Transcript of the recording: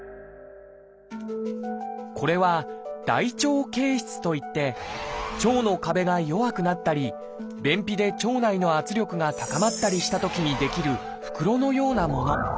これは「大腸憩室」といって腸の壁が弱くなったり便秘で腸内の圧力が高まったりしたときに出来る袋のようなもの。